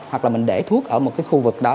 hoặc là mình để thuốc ở một cái khu vực đó